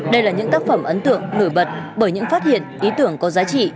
đây là những tác phẩm ấn tượng nổi bật bởi những phát hiện ý tưởng có giá trị